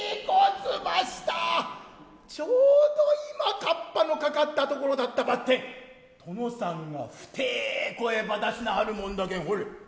ちょうど今かっぱのかかったところだったばってん殿さんが太ェ声ば出しなはるもんだけんほれ